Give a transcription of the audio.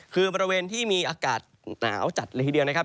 คือบริเวณที่มีอากาศหนาวจัดเลยทีเดียวนะครับ